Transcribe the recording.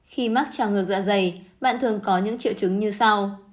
khi mắc trào ngược dạ dày bạn thường có những triệu chứng như sau